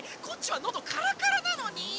こっちはのどカラカラなのに。